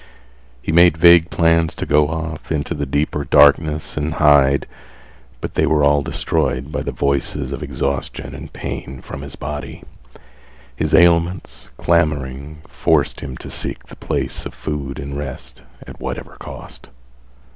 He made vague plans to go off into the deeper darkness and hide, but they were all destroyed by the voices of exhaustion and pain from his body. His ailments, clamoring, forced him to seek the place of food and rest, at whatever cost.